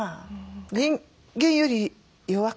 人間より弱くてね